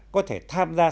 có thể tham gia sách